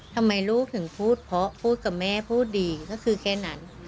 ทำไมลูกถึงพูดเพราะพูดกับแม่พูดดีก็คือแค่นั้น